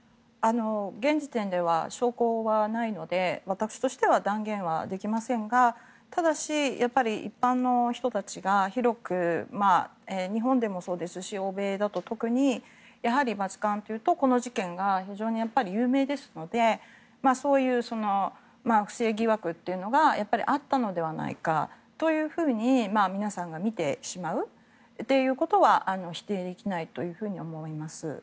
現時点では証拠はないので私としては断言はできませんがただし、一般の人たちが広く、日本でもそうですし欧米だと特に、やはりバチカンというとこの事件が非常に有名ですのでそういう不正疑惑があったのではないかというふうに皆さんが見てしまうということは否定できないと思います。